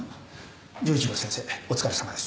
城一郎先生お疲れさまです。